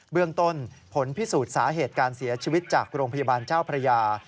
เรื่องต้นผลพิสูจน์สาเหตุการเสียชีวิตจากโรงพยาบาลเจ้าพระยา